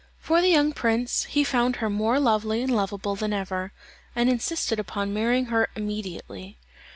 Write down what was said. For the young prince, he found her more lovely and loveable than ever, and insisted upon marrying her immediately.